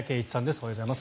おはようございます。